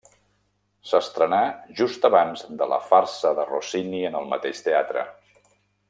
S'estrenà just abans de la farsa de Rossini en el mateix teatre.